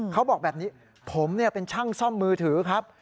เขาบอกแบบนี้ผมเป็นช่างซ่อมมือถือครับ